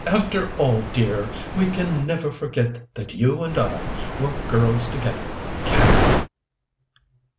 After all, dear, we can never forget that you and I were girls together, can we?"